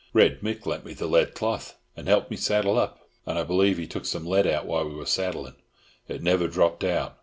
"Red Mick lent me the lead cloth, and helped me saddle up, and I believe he took some lead out while we were saddling. It never dropped out.